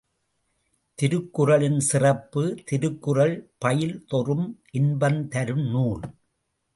திருக்குறளின் சிறப்பு திருக்குறள் பயில் தொறும் இன்பந்தரும் நூல்.